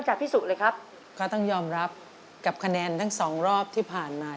จะยอมรับกับคะแนนทั้งสองรอบที่ผ่านมา